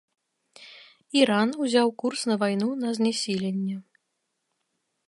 Іран ўзяў курс на вайну на знясіленне.